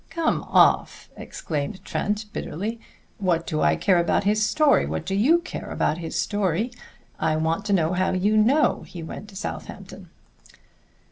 "Come off!" exclaimed Trent bitterly. "What do I care about his story? What do you care about his story? I want to know how you know he went to Southampton."